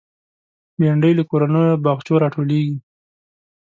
بېنډۍ له کورنیو باغچو راټولېږي